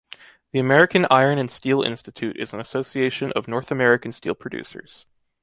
The American Iron and Steel Institute is an association of North American steel producers.